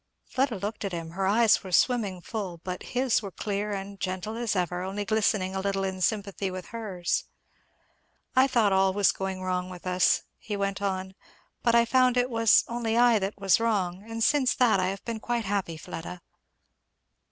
Fleda looked at him. Her eyes were swimming full, but his were clear and gentle as ever, only glistening a little in sympathy with hers. "I thought all was going wrong with us," he went on. "But I found it was only I that was wrong; and since that I have been quite happy, Fleda."